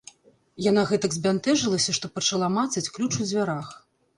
Яна гэтак збянтэжылася, што пачала мацаць ключ у дзвярах.